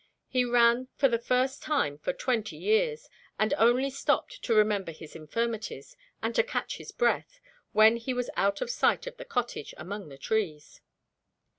He ran for the first time for twenty years; and only stopped to remember his infirmities, and to catch his breath, when he was out of sight of the cottage, among the trees.